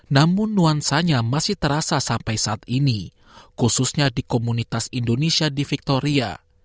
namun nuansanya masih terasa sampai saat ini khususnya di komunitas indonesia di victoria